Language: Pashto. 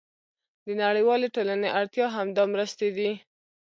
د نړیوالې ټولنې اړتیا همدا مرستې دي.